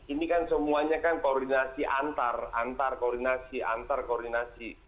ini kan semuanya kan koordinasi antar antar koordinasi antar koordinasi